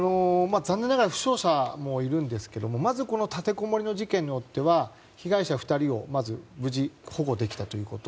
残念ながら負傷者もいるんですけどもまずこの立てこもりの事件においてはまず無事保護できたということ。